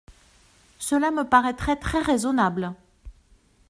Cela me paraîtrait très raisonnable.